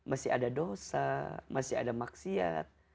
masih ada dosa masih ada maksiat